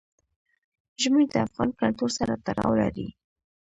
ژمی د افغان کلتور سره تړاو لري.